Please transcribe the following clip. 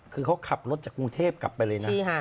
คือเขาขับรถจากกรุงเทพกลับไปเลยนะ